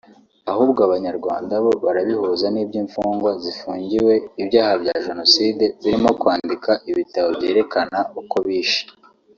ahubwo abanyarwanda bo barabihuza n’iby’ infungwa zifungiwe ibyaha bya Genocide zirimo kwandika ibitabo byerekana uko bishe